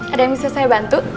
ada yang bisa saya bantu